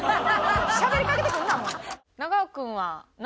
しゃべりかけてくんな！